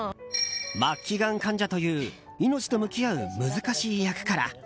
末期がん患者という命と向き合う難しい役から。